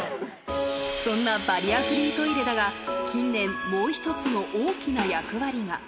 そんなバリアフリートイレだが、近年、もう一つの大きな役割が。